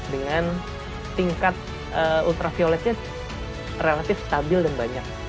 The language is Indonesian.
dengan tingkat ultravioletnya relatif stabil dan banyak